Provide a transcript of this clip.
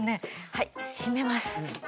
はい閉めます。